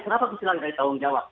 kenapa bisa dilalui dari tawung jawab